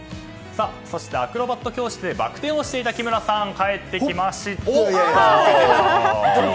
そして、アクロバット教室でバク転をしていた木村さん帰ってきました！